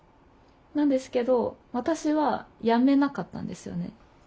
なんですけど私はやめなかったんですよね。